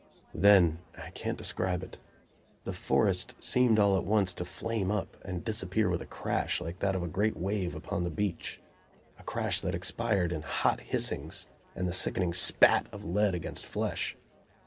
Then I can't describe it the forest seemed all at once to flame up and disappear with a crash like that of a great wave upon the beach a crash that expired in hot hissings, and the sickening "spat" of lead against flesh.